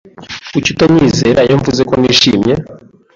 Kuki utanyizera iyo mvuze ko nishimye?